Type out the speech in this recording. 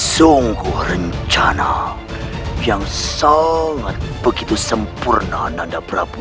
sungguh rencana yang sangat begitu sempurna nada prabu